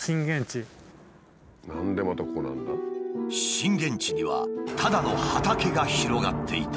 震源地にはただの畑が広がっていた。